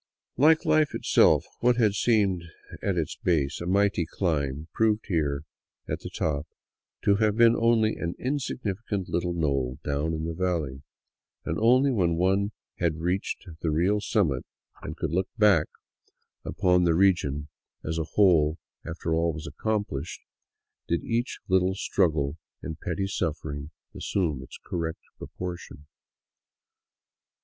Like life it self, what had seemed at its base a mighty climb proved here at the top to have been only an insignificant little knoll down in the valley, and only when one had reached the real summit, and could look back 2^6 1 APPROACHING INXA LAND upon the region as a whole after all was accomplished, did each little struggle and petty suffering assume its correct proportion.